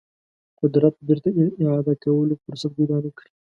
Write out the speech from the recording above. قدرت بیرته اعاده کولو فرصت پیدا نه کړي.